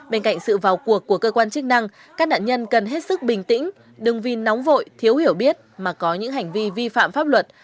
bên cạnh sự vào cuộc của cơ quan chức năng các nạn nhân cần hết sức bình tĩnh đừng vì nóng vội thiếu hiểu biết mà có những hành vi vi phạm pháp luật